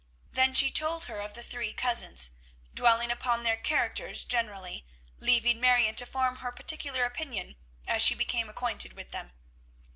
Then she told her of the three cousins, dwelling upon their characters generally, leaving Marion to form her particular opinion as she became acquainted with them.